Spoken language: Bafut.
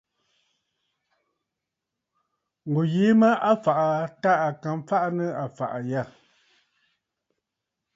Ŋù yìi mə a fàꞌà aa tâ à ka mfaꞌa nɨ a fa aà.